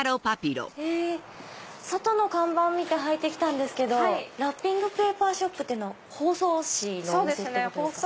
外の看板見て入って来たんですけどラッピングペーパーショップって包装紙のお店ってことですか？